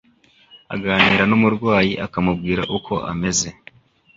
Aganira n'umurwayi akamubwira uko ameze